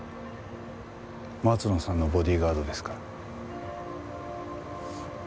松野さんのボディーガードですから。